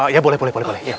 ya boleh boleh boleh